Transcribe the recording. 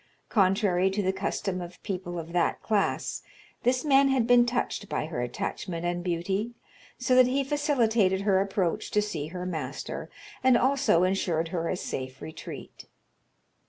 Contrary to the custom of people of that class, this man had been touched by her attachment and beauty, so that he facilitated her approach to see her master, and also insured her a safe retreat.